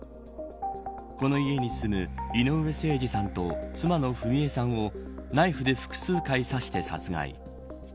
この家に住む井上盛司さんと妻の章恵さんをナイフで複数回刺して殺害。